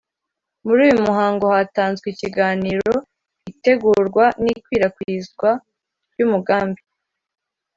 Muri uyu muhango hatanzwe ikiganiro Itegurwa N ikwirakwizwa ry umugambi